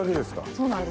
そうなんです。